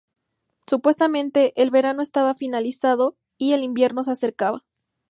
Supuestamente el verano estaba finalizando y el invierno se acercaba.